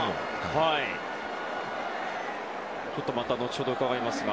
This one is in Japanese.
また後ほど伺いますが。